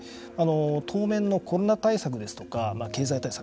当面のコロナ対策ですとか経済対策